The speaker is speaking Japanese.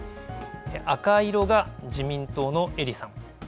赤色が自民党の英利さん。